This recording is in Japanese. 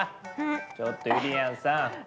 ちょっとゆりやんさん。